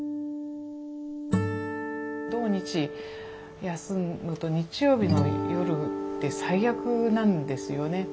土日休むと日曜日の夜って最悪なんですよね。